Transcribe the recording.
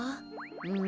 うん。